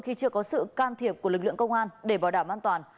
khi chưa có sự can thiệp của lực lượng công an để bảo đảm an toàn